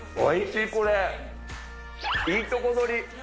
いいとこ取り。